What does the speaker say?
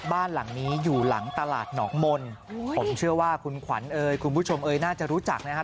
บ้านหลังนี้อยู่หลังตลาดหนองมนต์ผมเชื่อว่าคุณขวัญเอยคุณผู้ชมเอ๋ยน่าจะรู้จักนะครับ